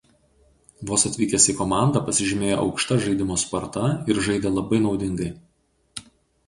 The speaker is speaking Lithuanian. Vos atvykęs į komandą pasižymėjo aukšta žaidimo sparta ir žaidė labai naudingai.